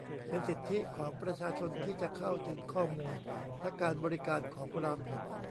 เป็นสิทธิของประชาชนที่จะเข้าถึงข้อมูลและการบริการของรัฐ